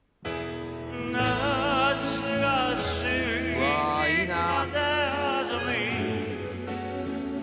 「うわあいいなあ！」